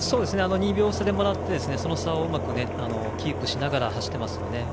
２秒差でもらってその差をうまくキープして走っています。